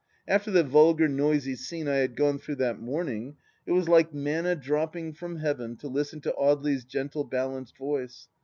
After the vulgar noisy scene I had gone through that morning it was like Manna dropping from Heaven to listen to Audely's gentle balanced voice.